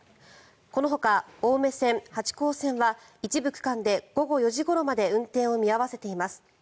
このほか青梅線、八高線は一部区間で午後４時ごろまで運転を見合わせています。